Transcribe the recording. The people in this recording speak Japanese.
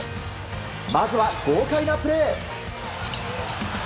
まずは豪快なプレー。